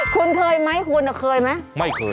คุณเคยไหมคุณเคยไหมไม่เคย